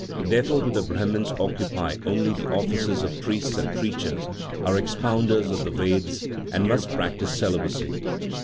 Therefore do the Brahmins occupy only the offices of priests and preachers, are expounders of the Vedas, and must practice celibacy.